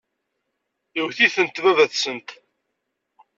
Iwet-itent baba-tsent.